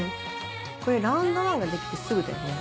これラウンドワンが出来てすぐだよね。